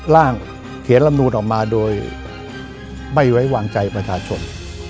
เขียนลำนูนออกมาโดยไม่ไว้วางใจประชาชน